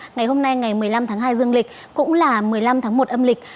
ngày hôm nay ngày một mươi năm tháng hai dương lịch cũng là một mươi năm tháng một âm lịch